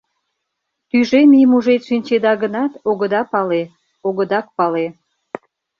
— Тӱжем ий мужед шинчеда гынат, огыда пале, огыдак пале!